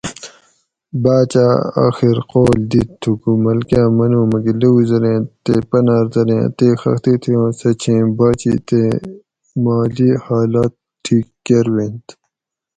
باچہ آخر قول دِیت تھوکو ملکہ منو میکہ لوؤ زریں تے پنر زریں اتیک خختی تھی ہو سہ چھی باچہتی مالی حالت ٹھیک کروینت